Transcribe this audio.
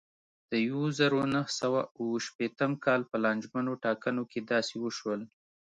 د یوه زرو نهه سوه اوه شپېتم کال په لانجمنو ټاکنو کې داسې وشول.